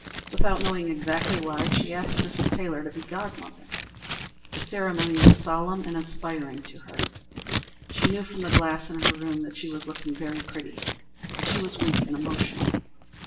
Without knowing exactly why, she asked Mrs. Taylor to be godmother. The ceremony was solemn and inspiring to her. She knew from the glass in her room that she was looking very pretty. But she was weak and emotional.